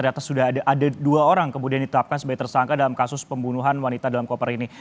ternyata sudah ada dua orang kemudian ditetapkan sebagai tersangka dalam kasus pembunuhan wanita dalam koper ini